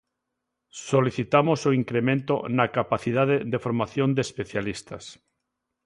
Solicitamos o incremento na capacidade de formación de especialistas.